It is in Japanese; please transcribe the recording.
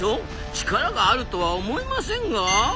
力があるとは思えませんが。